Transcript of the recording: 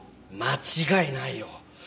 間違いないよ。